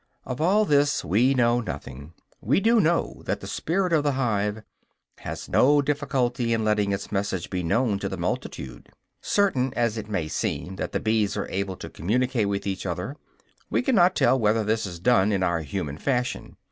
Of all this we know nothing; we do know that the "spirit of the hive" has no difficulty in letting its message be known to the multitude. Certain as it may seem that the bees are able to communicate with each other, we cannot tell whether this is done in our human fashion.